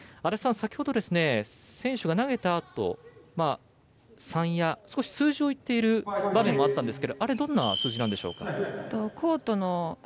先ほど、選手が投げたあと３や少し数字を言っている場面があったんですがあれはどんな数字なんでしょうか。